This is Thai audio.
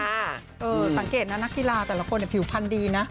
สังเกตนะนักกีฬาแต่ละคนผิวพันธ์ดีนะ